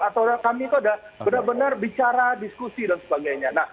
atau kami itu sudah benar benar bicara diskusi dan sebagainya